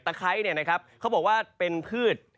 ไคร้เนี่ยนะครับเขาบอกว่าเป็นพืช